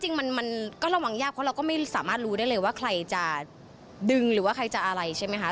จริงมันก็ระวังจากก็ไม่รู้ได้เลยว่าใครจะดึงแหละหรือว่าใครจะอะไรใช่ไหมค่ะ